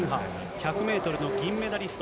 １００メートルの銀メダリスト。